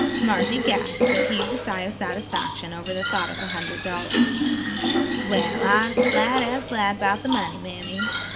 Marthy gasped but heaved a sigh of satisfaction over the thought of the hundred dollars. "Well, I'se glad as glad 'bout the money, mammy.